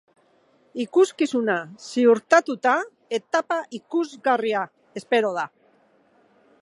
Ikuskizuna ziurtatuta, etapa ikusgarria espero da.